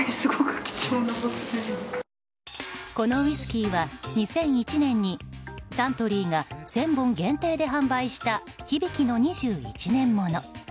このウイスキーは２００１年にサントリーが１０００本限定で販売した響の２１年物。